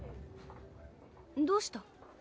どうした？